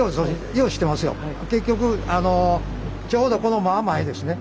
結局あのちょうどこの真ん前ですね。